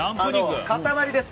塊です。